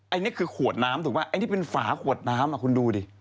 อันนี้คือขวดน้ำถูกไหมไอ้ที่เป็นฝาขวดน้ำคุณดูดิ